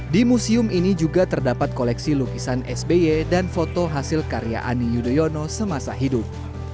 di museum ini juga terdapat koleksi lukisan sby dan foto hasil karya ani yudhoyono semasa hidup